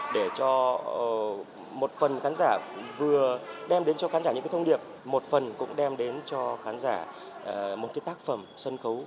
để cho một phần khán giả vừa đem đến cho khán giả những thông điệp một phần cũng đem đến cho khán giả một cái tác phẩm sân khấu